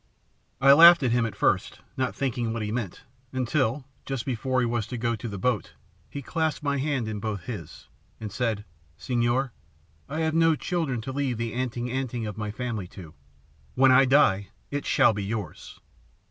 "I laughed at him, at first, not thinking what he meant, until, just before he was to go to the boat, he clasped my hand in both his, and said, 'SeÒor, I have no children to leave the "anting anting" of my family to. When I die, it shall be yours.'